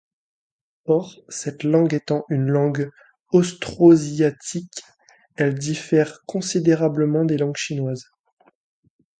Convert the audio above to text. Or, cette langue étant une langue austroasiatique, elle diffère considérablement des langues chinoises.